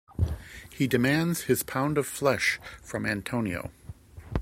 He demands his pound of flesh from Antonio.